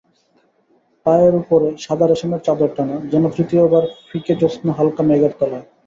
পায়ের উপরে সাদা রেশমের চাদর টানা, যেন তৃতীয়ার ফিকে জ্যোৎস্না হালকা মেঘের তলায়।